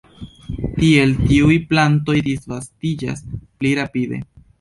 Tiel tiuj plantoj disvastiĝas pli rapide.